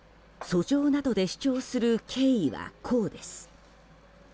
訴状などで主張する経緯はこうです。